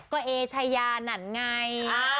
ก็เอชายานั่นไง